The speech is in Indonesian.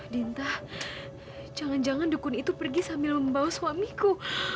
dinta jangan jangan dukun itu pergi sambil membawa suamiku